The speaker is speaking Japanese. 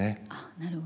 なるほど。